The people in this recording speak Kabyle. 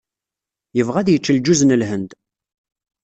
Yebɣa ad yečč lǧuz n Lhend.